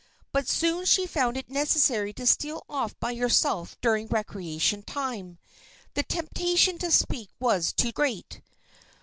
But soon she found it necessary to steal off by herself during recreation time. The temptation to speak was too great.